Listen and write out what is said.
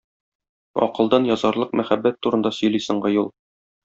Акылдан язарлык мәхәббәт турында сөйли соңгы юл.